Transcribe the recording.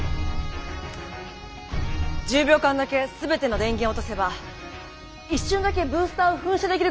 １０秒間だけ全ての電源を落とせば一瞬だけブースターを噴射できるかもしれません。